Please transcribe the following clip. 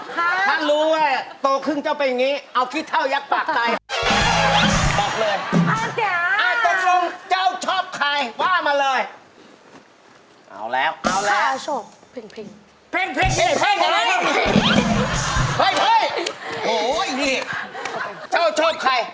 พังถ้ารู้ว่าตัวคุ้งเจ้าเป็นอย่างนี้เอาคิดเท่ายักษ์ปากใกล้